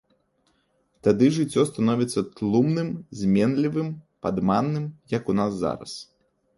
Тады жыццё становіцца тлумным, зменлівым, падманным, як у нас зараз.